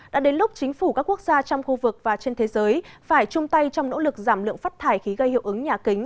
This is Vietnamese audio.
đã đến lúc chính phủ các quốc gia trong khu vực và trên thế giới phải chung tay trong nỗ lực giảm lượng phát thải khí gây hiệu ứng nhà kính